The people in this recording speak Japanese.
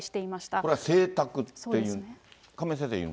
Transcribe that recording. これは請託っていう？